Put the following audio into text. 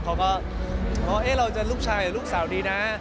เขาก็เราจะลูกชายหรือลูกสาวดีนะ